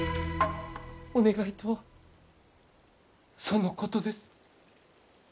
お願いとはそのことです。